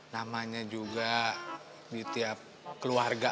namanya juga di tiap keluarga